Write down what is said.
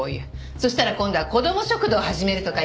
そしたら今度は子ども食堂始めるとか言い出して。